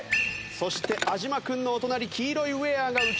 そして安嶋君のお隣黄色いウェアが浮所君。